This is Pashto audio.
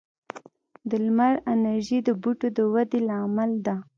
د لمر انرژي د بوټو د ودې لامل ده.